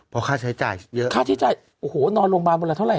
เพราะค่าใช้จ่ายเยอะค่าใช้จ่ายโอ้โหนอนโรงพยาบาลวันละเท่าไห